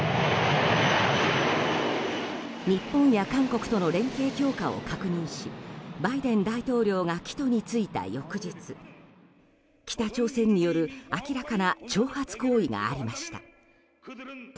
日本や韓国との連携強化を確認しバイデン大統領が帰途に就いた翌日北朝鮮による明らかな挑発行為がありました。